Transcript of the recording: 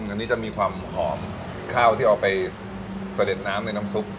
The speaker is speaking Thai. อันนี้จะมีความหอมข้าวที่เอาไปเสด็จน้ำในน้ำซุป